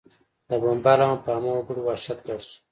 د بمبار له امله په عامه وګړو وحشت ګډ شو